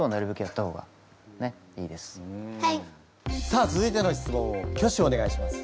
さあ続いての質問を挙手をお願いします。